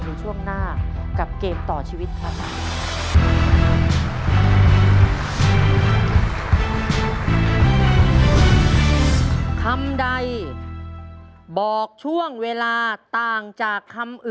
ในช่วงหน้ากับเกมต่อชีวิตครับ